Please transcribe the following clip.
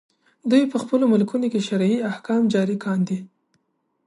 دوی په خپلو ملکونو کې شرعي احکام جاري کاندي.